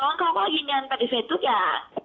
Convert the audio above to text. น้องเขาก็ยืนยันปฏิเสธทุกอย่าง